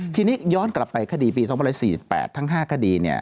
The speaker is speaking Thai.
ทีนี้ย้อนกลับไปคดีปี๒๔๘ทั้ง๕คดี